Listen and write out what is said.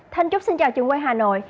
thanh trúc xin chào trường quay hà nội